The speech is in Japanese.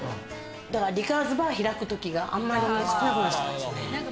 だから、リカーズバー開くときがあんまり少なくなっちゃったんですよね。